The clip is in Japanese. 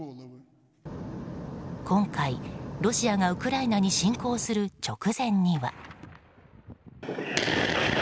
今回、ロシアがウクライナに侵攻する直前には。